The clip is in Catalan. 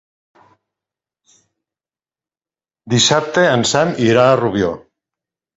Dissabte en Sam irà a Rubió.